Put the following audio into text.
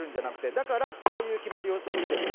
だから、こういう決まりを作っています。